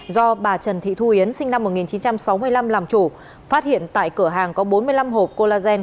do bà trần thị thu yến sinh năm một nghìn chín trăm sáu mươi năm làm chủ phát hiện tại cửa hàng có bốn mươi năm hộp colagen